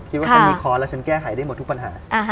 คิดว่าฉันมีคอร์สแล้วฉันแก้หายได้หมดทุกปัญหา